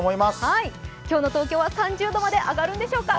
今日の東京は３０度まで上がるんでしょうか？